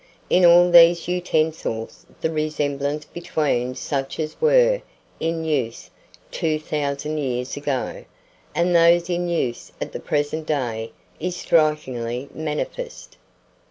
In all these utensils the resemblance between such as were in use 2,000 years ago, and those in use at the present day, is strikingly manifest.